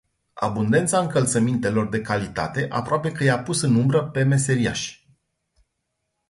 Abundența încălțămintelor de calitate aproape că i-a pus în umbră pe meserIași.